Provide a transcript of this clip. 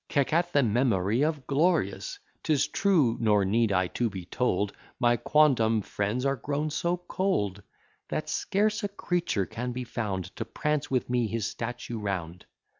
Keck at the memory of Glorious: 'Tis true; nor need I to be told, My quondam friends are grown so cold, That scarce a creature can be found To prance with me his statue round.